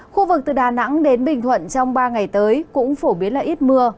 khu vực từ đà nẵng đến bình thuận trong ba ngày tới cũng phổ biến là ít mưa